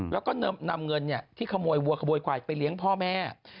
แล้วก็นำเงินที่ขโมยวัวไปเลี้ยงพ่อแม่